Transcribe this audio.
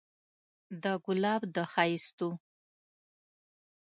د ګلاب د ښايستو